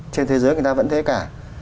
trên thế giới người ta vẫn thế cả